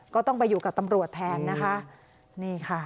ก็ต้องไปอยู่กับตำรวจแทนนะคะ